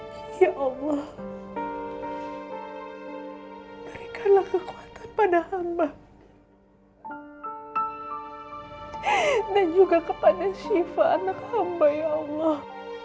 hai berikanlah kekuatan pada hamba dan juga kepada syifa anak hamba ya allah